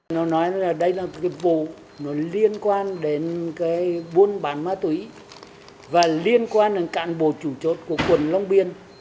nó nói đây là vụ liên quan đến buôn bán ma túy và liên quan đến cạn bộ chủ chốt của quận long biên